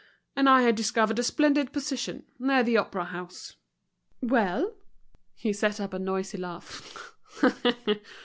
And I had discovered a splendid position, near the Opera House." "Well?" He set up a noisy laugh.